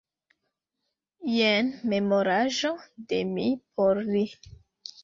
Jen memoraĵo de mi por li.